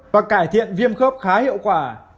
và cải thiện viêm khớp khá hiệu quả